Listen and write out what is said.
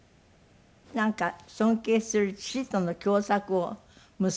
なんか尊敬する父との共作を息子が提案？